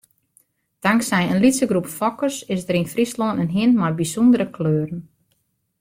Tanksij in lytse groep fokkers is der yn Fryslân in hin mei bysûndere kleuren.